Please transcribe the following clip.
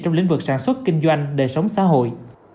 trong lĩnh vực sản xuất kinh doanh đời sống xã hội